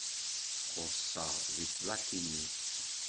Xuṣṣeɣ deg tlatinit.